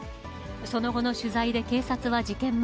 その後の取材で、警察は事件前、